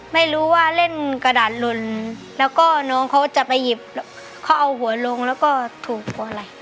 ไม่รู้ว่าเล่นกระดาษหล่นแล้วก็น้องเขาจะไปหยิบเขาเอาหัวลงแล้วก็ถูกกลัวอะไร